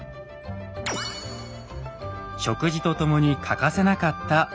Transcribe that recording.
食事と共に欠かせなかった水。